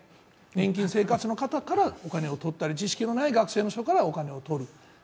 年金生活の方からお金をとったり、知識のない学生の人からお金をとる。